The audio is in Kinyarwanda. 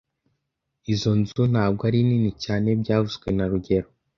Izoi nzu ntabwo ari nini cyane byavuzwe na rugero